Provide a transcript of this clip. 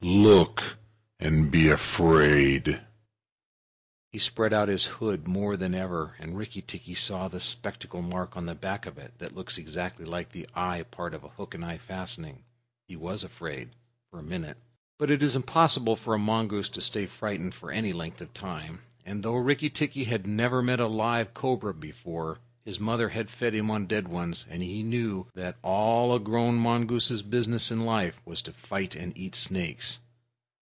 Look, and be afraid!" He spread out his hood more than ever, and Rikki tikki saw the spectacle mark on the back of it that looks exactly like the eye part of a hook and eye fastening. He was afraid for the minute, but it is impossible for a mongoose to stay frightened for any length of time, and though Rikki tikki had never met a live cobra before, his mother had fed him on dead ones, and he knew that all a grown mongoose's business in life was to fight and eat snakes.